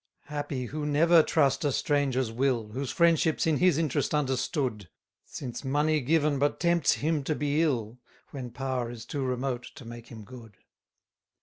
38 Happy, who never trust a stranger's will, Whose friendship's in his interest understood! Since money given but tempts him to be ill, When power is too remote to make him good.